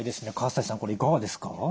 西さんこれいかがですか？